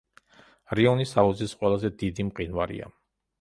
რიონის აუზის ყველაზე დიდი მყინვარია.